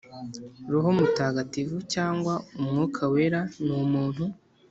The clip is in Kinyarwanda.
“Roho Mutagatifu,” cyangwa umwuka wera, ni umuntu